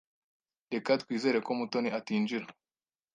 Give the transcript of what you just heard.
Reka twizere ko Mutoni atinjira.